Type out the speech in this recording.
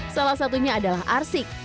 salah satunya adalah arsik